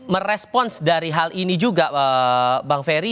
merespons dari hal ini juga bang ferry